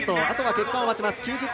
あとは結果を待ちます。